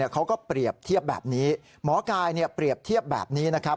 เขาก็เปรียบเทียบแบบนี้หมอกายเปรียบเทียบแบบนี้นะครับ